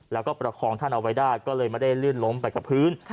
แล้วก็ประคองท่านเอาไว้ได้ก็เลยไม่ได้ลื่นล้มไปกับพื้น